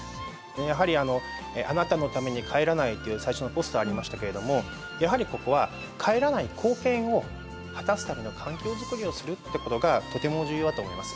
「あなたのために、帰らない」という最初のポスターありましたけれどもやはりここは帰らない貢献を果たすための環境づくりをするってことがとても重要だと思います。